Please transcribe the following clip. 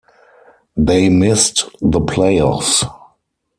They missed the playoffs.